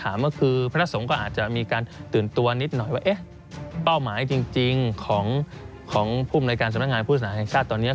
ในเรื่องฟอกเงินที่ไปทุฤจฤตงบประมาณเลยทั้งหลาย